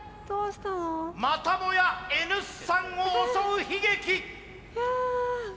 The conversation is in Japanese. またもやＮ産を襲う悲劇！